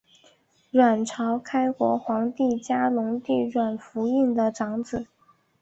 阮朝开国皇帝嘉隆帝阮福映的长子。